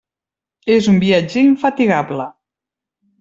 És un viatger infatigable.